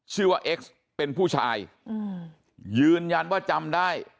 ชื่อว่าเอ็กซเป็นผู้ชายยืนยันว่าจำได้